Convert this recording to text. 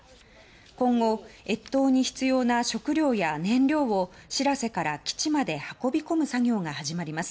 今後、越冬に必要な食料や燃料を「しらせ」から基地まで運び込む作業が始まります。